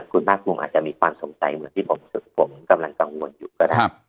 คุณภาคภูมิอาจจะมีความสงสัยเหมือนที่ผมกำลังกังวลอยู่ก็ได้